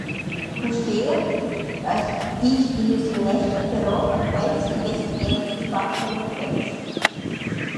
Uschea as dischillusiunescha però a quels chi vessan jent tut part a l’occurrenza.